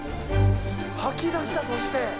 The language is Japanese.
吐き出したそして。